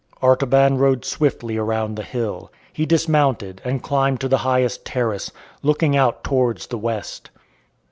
Artaban rode swiftly around the hill. He dismounted and climbed to the highest terrace, looking out towards the west.